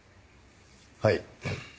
はい。